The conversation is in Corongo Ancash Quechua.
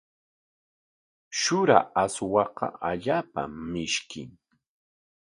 Shura aswaqa allaapam mishkin.